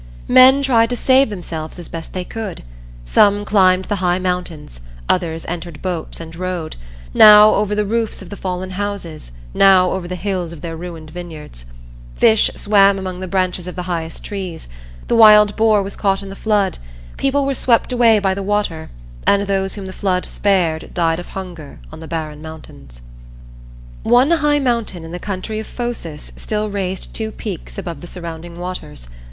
Men tried to save themselves as best they could; some climbed the high mountains; others entered boats and rowed, now over the roofs of the fallen houses, now over the hills of their ruined vineyards. Fish swam among the branches of the highest trees; the wild boar was caught in the flood; people were swept away by the water and those whom the flood spared died of hunger on the barren mountains. [Illustration: DEUCALION AND PYRRHA CASTING THE BONES OF THEIR MOTHER BEHIND THEM] One high mountain in the country of Phocis still raised two peaks above the surrounding waters.